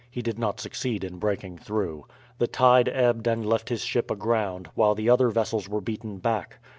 He did not succeed in breaking through. The tide ebbed and left his ship aground, while the other vessels were beaten back.